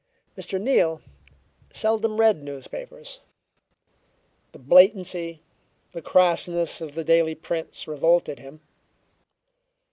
Mr. Neal seldom read newspapers. The blatancy, the crassness of the daily prints revolted him.